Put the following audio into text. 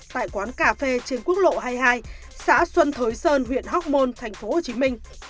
tại quán cà phê trên quốc lộ hai mươi hai xã xuân thới sơn huyện hoc mon tp hcm